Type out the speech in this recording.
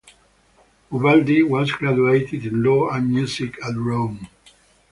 Ubaldi was graduated in Law and Music, at Rome.